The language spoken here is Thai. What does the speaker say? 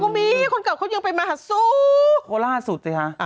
ก็มีคนเก่าที่ยังเป็นมหาสุภาพล่าสุดสิครับ